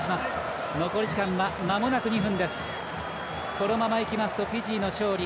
このままいきますとフィジーの勝利。